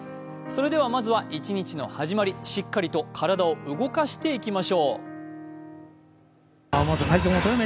それではまずは一日の始まり、しっかりと体を動かしていきましょう。